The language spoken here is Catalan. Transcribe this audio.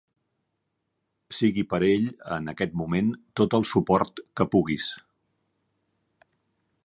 Sigui per a ell en aquest moment tot el suport que puguis.